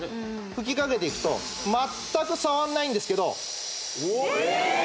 吹きかけていくと全く触んないんですけどえっ